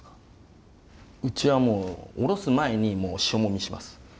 うちはもうおろす前にもう塩揉みします。